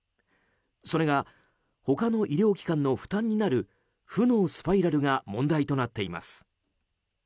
それが他の医療機関の負担になる負のスパイラルが問題となっています。